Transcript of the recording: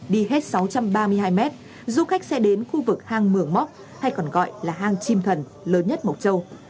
đi hết sáu trăm ba mươi hai mét du khách sẽ đến khu vực hang mường móc hay còn gọi là hang chim thần lớn nhất mộc châu